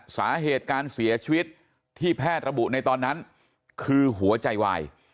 สาเหตุการเสียชีวิตที่แพทย์ระบุในตอนนั้นคือหัวใจวาย